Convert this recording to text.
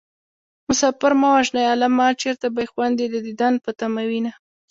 مسافر مه وژنئ عالمه چېرته به يې خويندې د دين په تمه وينه